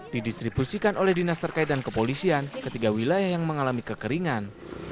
didistribusikan oleh dinas terkait dan kepolisian ketiga wilayah yang mengalami kekeringan